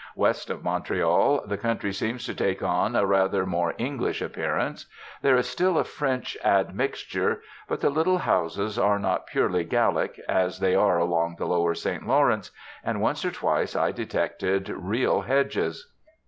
West of Montreal, the country seems to take on a rather more English appearance. There is still a French admixture. But the little houses are not purely Gallic, as they are along the Lower St Lawrence; and once or twice I detected real hedges.